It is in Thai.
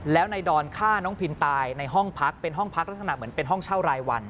แล้วนายดอนฆ่าน้องพินตายในห้องพักเป็นห้องพักลักษณะเหมือนเป็นห้องเช่ารายวัน